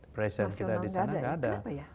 bank nasional tidak ada ya kenapa ya